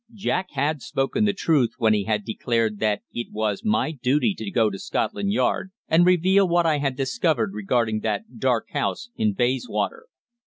Jack had spoken the truth when he had declared that it was my duty to go to Scotland Yard and reveal what I had discovered regarding that dark house in Bayswater.